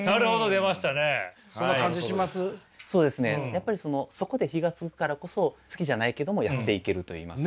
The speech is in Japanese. やっぱりそこで火がつくからこそ好きじゃないけどもやっていけるといいますか。